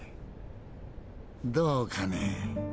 どうかね？